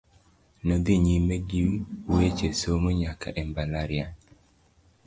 Nodhi nyime gi weche somo nyaka e mbalariany.